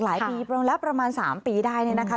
หลายปีแล้วประมาณ๓ปีได้